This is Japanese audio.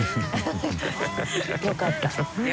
よかった。